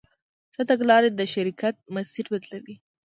ښه تګلاره د شرکت مسیر بدلوي.